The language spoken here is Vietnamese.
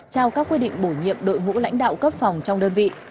trao các quy định bổ nhiệm đội ngũ lãnh đạo cấp phòng trong đơn vị